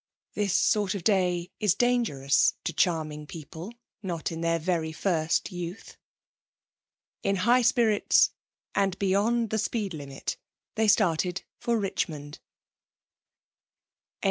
This sort of day is dangerous to charming people not in their very first youth. In high spirits and beyond the speed limit they started for Richmond.